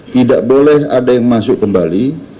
tidak boleh ada yang masuk kembali